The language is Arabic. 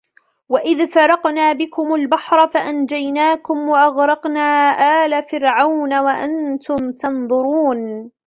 وإذ فرقنا بكم البحر فأنجيناكم وأغرقنا آل فرعون وأنتم تنظرون